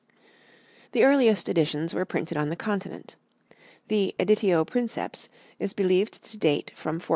The earliest editions were printed on the Continent; the "editio princeps" is believed to date from 1475.